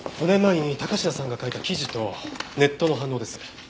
５年前に高階さんが書いた記事とネットの反応です。